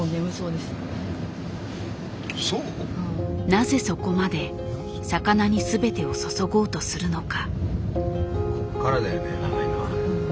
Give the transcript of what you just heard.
なぜそこまで魚にすべてを注ごうとするのか。